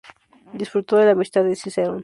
Disfrutó de la amistad de Cicerón.